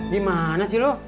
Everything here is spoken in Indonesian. gimana sih lu